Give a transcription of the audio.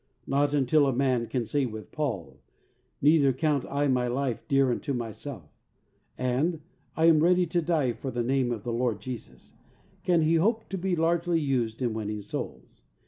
Not until a man can say with Paul, 28 THE soul winner's secret. "Neither count I my life dear unto myself;" and "I am ready to die for the name of the Lord Jesus," can he hope to be largely used in winning souls.